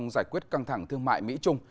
giải quyết căng thẳng thương mại mỹ trung